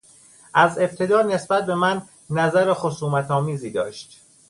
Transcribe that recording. از ابتدا نسبت به من نظر خصومتآمیزی داشت.